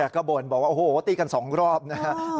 ก็บ่นบอกว่าโอ้โหตีกัน๒รอบนะครับ